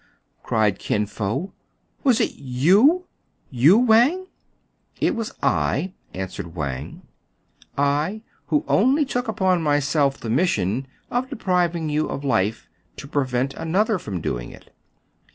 cried Kin Fo, "was it you, you, Wang }"" It was I," answered Wang, " I, who only took upon myself the mission of depriving you of life to prevent another from doing it.